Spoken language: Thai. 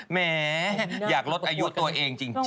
แหมอยากลดอายุตัวเองจริง